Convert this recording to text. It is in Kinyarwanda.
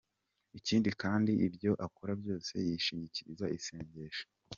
Ikindi kandi, ibyo akora byose yishingikiriza isengesho.